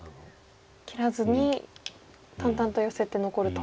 切らずに淡々とヨセて残ると。